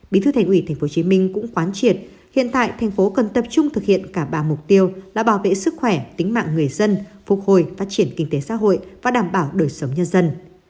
bí thư tp hcm cũng khoán triệt hiện tại tp hcm cần tập trung thực hiện cả ba mục tiêu là bảo vệ sức khỏe tính mạng người dân phục hồi phát triển kinh tế xã hội và đảm bảo đời sống nhân dân